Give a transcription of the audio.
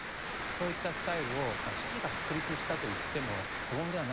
そういったスタイルを父が確立したと言っても過言ではないかなと。